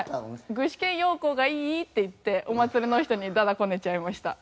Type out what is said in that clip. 「具志堅用高がいい！」って言ってお祭りの人にダダこねちゃいました。